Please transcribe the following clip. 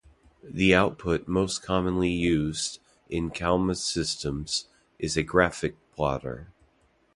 The output most commonly used in Calma's systems is a graphic plotter.